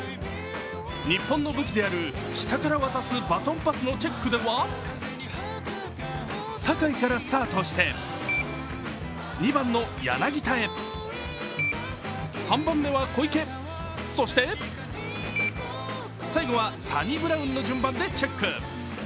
日本の武器である下から渡すバトンパスのチェックでは坂井からスタートして、２番の柳田へ、３番目は小池、そして最後はサニブラウンの順番でチェック。